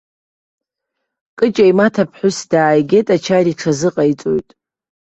Кыҷа имаҭа ԥҳәыс дааигеит, ачара иҽазыҟаиҵоит.